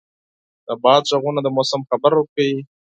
د باد ږغونه د موسم خبر ورکوي.